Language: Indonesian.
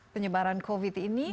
penyebaran covid ini